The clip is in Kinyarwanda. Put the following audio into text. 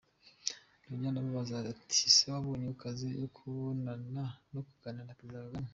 Ndongera ndamubaza nti ese wabonye occasion yo gukobonana no kuganira na Président Kagame ?